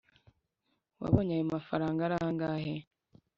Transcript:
wabonye ayo mafaranga arangahe,